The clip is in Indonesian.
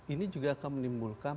ini juga akan menimbulkan